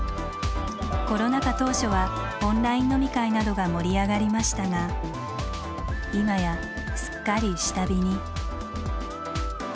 コロナ禍当初はオンライン飲み会などが盛り上がりましたが今やすっかり下火に。